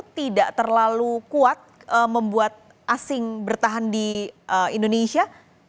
tidak terlalu kuat membuat asing bertahan di indonesia